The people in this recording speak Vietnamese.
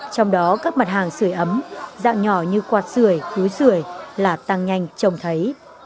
trong đó các mặt hàng sửa ấm dạng nhỏ như quạt sửa cúi sửa là tăng nhanh trồng thấy